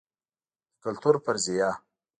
د کلتور فرضیه